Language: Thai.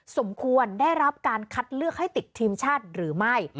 สมควรได้รับการคัดเลือกให้ติดทีมชาติหรือไม่